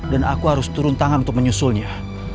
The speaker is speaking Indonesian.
aku harus turun tangan untuk menyusulnya